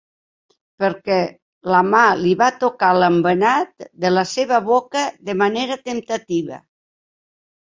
Perquè la mà li va tocar l'embenat de la seva boca de manera temptativa.